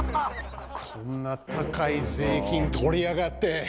こんな高い税金取りやがって。